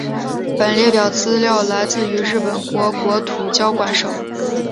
本列表资料来自于日本国国土交通省。